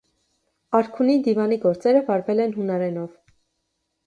Արքունի դիվանի գործերը վարվել են հունարենով։